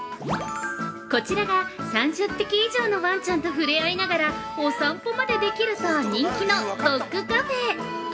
◆こちらが３０匹以上のわんちゃんと触れ合いながら、お散歩までできると人気のドックカフェ。